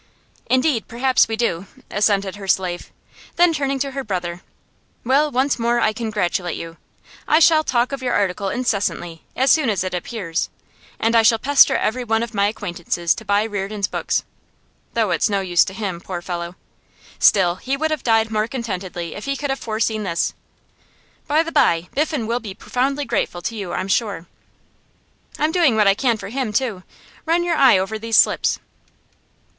'Indeed, perhaps we do,' assented her slave. Then, turning to her brother, 'Well, once more I congratulate you. I shall talk of your article incessantly, as soon as it appears. And I shall pester every one of my acquaintances to buy Reardon's books though it's no use to him, poor fellow. Still, he would have died more contentedly if he could have foreseen this. By the by, Biffen will be profoundly grateful to you, I'm sure.' 'I'm doing what I can for him, too. Run your eye over these slips.